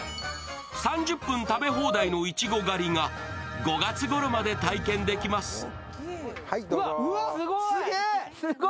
３０分食べ放題のいちご狩りが５月ごろまで体験できます。